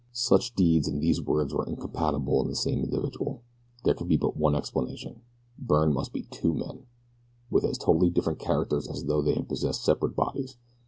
Such deeds and these words were incompatible in the same individual. There could be but one explanation Byrne must be two men, with as totally different characters as though they had possessed separate bodies.